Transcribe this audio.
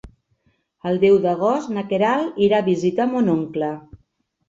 El deu d'agost na Queralt irà a visitar mon oncle.